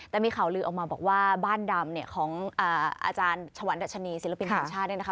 แต่มีข่าวลือออกมาบอกว่าบ้านดำเนี่ยของอาจารย์ชวันดัชนีศิลปินแห่งชาติเนี่ยนะคะ